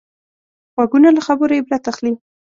غوږونه له خبرو عبرت اخلي